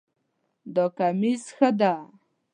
دا کمیس ښه ده